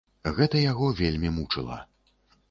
Гэта яго вельмі мучыла.